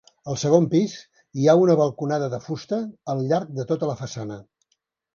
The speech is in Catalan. Al segon pis hi ha una balconada de fusta al llarg de tota la façana.